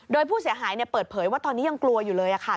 โดยผู้เสียหายเปิดเผยว่าตอนนี้ยังกลัวอยู่เลยค่ะ